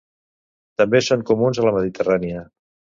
També són comuns a la Mediterrània.